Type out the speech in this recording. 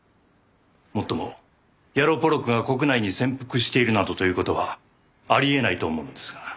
もっともヤロポロクが国内に潜伏しているなどという事はあり得ないと思うのですが。